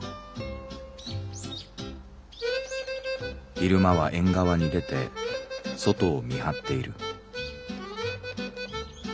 「昼間は縁側に出て外を見張っている」。